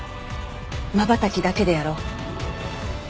まばたきだけでやろう。